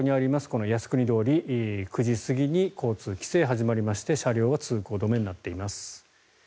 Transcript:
この靖国通り９時過ぎに交通規制が始まりまして車両は通行止めになっています。